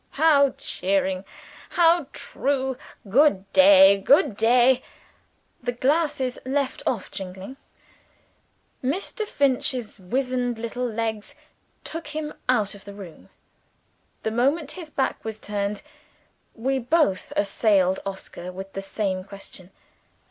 How cheering! how true! Good day; good day." The glasses left off jingling. Mr. Finch's wizen little legs took him out of the room. The moment his back was turned, we both assailed Oscar with the same question.